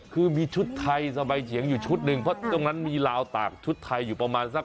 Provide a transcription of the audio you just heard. คือมีชุดไทยสบายเฉียงอยู่ชุดหนึ่งเพราะตรงนั้นมีลาวตากชุดไทยอยู่ประมาณสัก